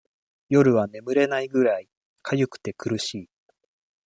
夜は眠れないぐらい、かゆくて苦しい。